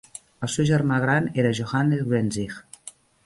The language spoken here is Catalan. El seu germà gran era Johannes Gruentzig.